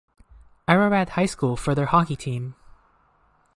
Ararat High School for their hockey team.